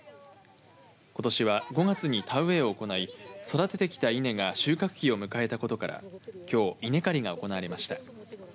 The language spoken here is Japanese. ことしは５月に田植えを行い育ててきた稲が収穫期を迎えたことからきょう稲刈りが行われました。